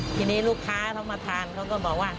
ทีนี้ลูกค้าเขามาทานเขาก็บอกว่า